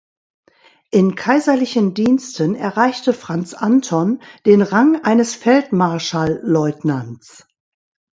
In kaiserlichen Diensten erreichte Franz Anton den Rang eines Feldmarschallleutnants.